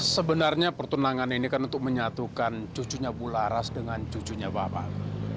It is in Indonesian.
sebenarnya pertunangan ini kan untuk menyatukan cucunya bu laras dengan cucunya bapak